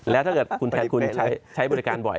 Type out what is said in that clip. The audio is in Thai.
แล้วถ้าเกิดคุณแทนคุณใช้บริการบ่อย